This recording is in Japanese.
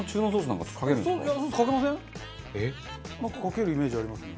なんかかけるイメージあります。